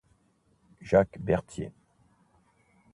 Jacques Berthier